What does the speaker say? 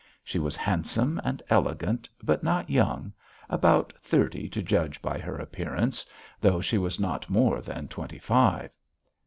She was handsome and elegant, but not young; about thirty to judge by her appearance, though she was not more than twenty five.